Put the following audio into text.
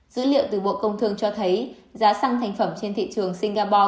dữ liệu từ bộ công thương cho thấy giá xăng thành phẩm trên thị trường singapore